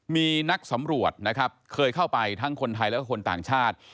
มีนักสำรวจนะครับเคยเข้าไปทั้งคนไทยแล้วก็คนต่างชาติ